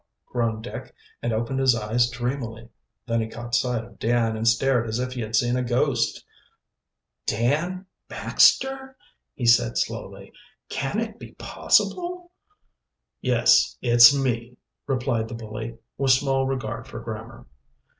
groaned Dick, and opened his eyes dreamily. Then he caught sight of Dan and stared as if he had seen a ghost. "Dan Baxter!" he said slowly. "Can it be possible?" "Yes, it's me," replied the bully, with small regard for grammar.